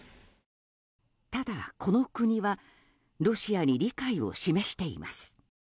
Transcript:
ただ、この国はロシアに理解を示しています。